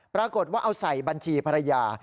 ปรากฏว่าเอาใส่บัญชีภรรยา